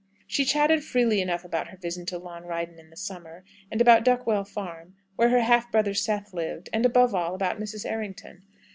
She chatted freely enough about her visit to Llanryddan in the summer, and about Duckwell Farm, where her half brother Seth lived, and, above all, about Mrs. Errington.